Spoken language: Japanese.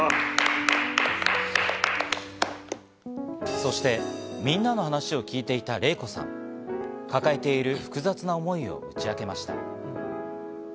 そして、みんなの話を聞いていたレイコさん、抱えている複雑な思いを打ち明けました。